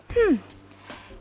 ya enggak lah sayang